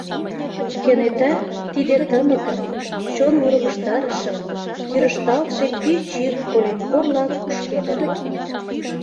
Кенета Тиде тымыкым, Чон вургыжтарышым, Кӱрышталтше пич йӱк Коленкорла кушкеде.